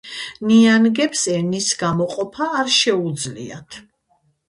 ნიანგებს ენის გამოყოფა არ შეუძლიათ!